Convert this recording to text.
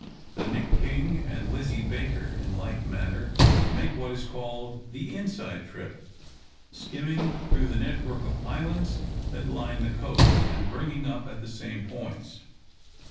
The "Nick King" and "Lizzie Baker," in like manner, make what is called the inside trip, skimming through the network of islands that line the coast, and bringing up at the same points.